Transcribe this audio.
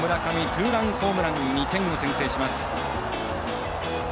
ツーランホームラン２点を先制します。